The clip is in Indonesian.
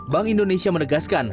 bank indonesia menegaskan